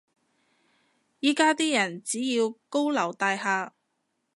依家啲人只要高樓大廈